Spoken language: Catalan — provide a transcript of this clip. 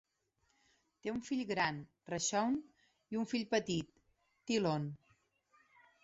Té un fill gran, Rashaun, i un fill petit, Tylon.